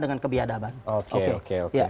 dengan kebiadaban oke oke